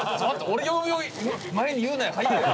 俺が読む前に言うなよ！